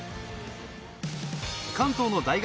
関東の大学